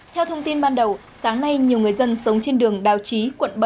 theo thông tin ban đầu sáng nay nhiều người dân sống trên đường đào trí quận bảy